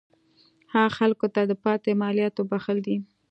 هغه خلکو ته د پاتې مالیاتو بخښل دي.